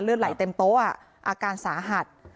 เลือดไหลเต็มโต๊ะอ่ะอาการสาหัส